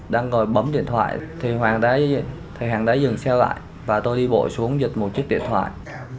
đang ngồi bấm điện thoại thì hoàng đã dừng xe lại và tôi đi bộ xuống dịch một chiếc điện thoại